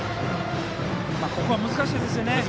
ここは難しいですよね。